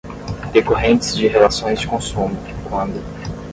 decorrentes de relações de consumo, quando